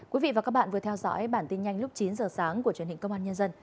quý vị và các bạn vừa theo dõi bản tin nhanh lúc chín giờ sáng của truyền hình công an nhân dân